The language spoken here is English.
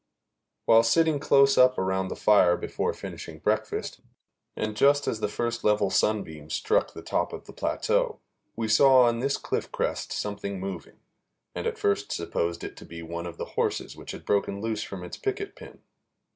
While sitting close up around the fire finishing breakfast, and just as the first level sunbeams struck the top of the plateau, we saw on this cliff crest something moving, and at first supposed it to be one of the horses which had broken loose from its picket pin.